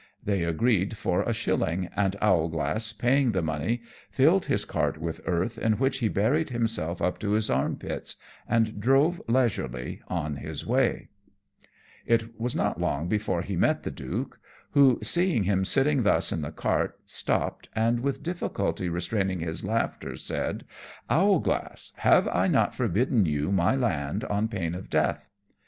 They agreed for a shilling; and Owlglass paying the money, filled his cart with earth, in which he buried himself up to his arm pits, and drove leisurely on his way. [Illustration: Owlglass Rides on his own Land.] It was not long before he met the Duke, who, seeing him sitting thus in the cart, stopped, and, with difficulty restraining his laughter, said, "Owlglass, have I not forbidden you my land on pain of death?"